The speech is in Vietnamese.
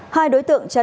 hai đối tượng chân